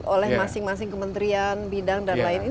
oleh masing masing kementerian bidang dan lain lain